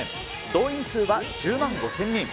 動員数は１０万５０００人。